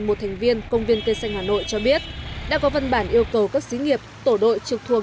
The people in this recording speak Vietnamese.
một thành viên công viên cây xanh hà nội cho biết đã có văn bản yêu cầu các sĩ nghiệp tổ đội trực thuộc